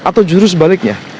atau jurus baliknya